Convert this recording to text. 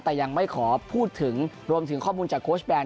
แต่ยังไม่ขอพูดถึงรวมถึงข้อมูลจากโค้ชแบน